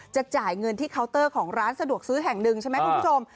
จ่ายเงินที่เคาน์เตอร์ของร้านสะดวกซื้อแห่งหนึ่งใช่ไหมคุณผู้ชม